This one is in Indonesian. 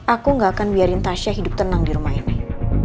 aku gak akan biarin tasya hidup tenang di rumah ini